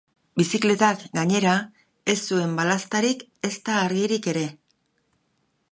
Bizikletak, gainera, ez zuen balaztarik ezta argirik ere.